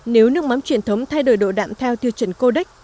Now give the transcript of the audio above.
nếu nước mắm truyền thống thay đổi độ đạm theo tiêu chuẩn codec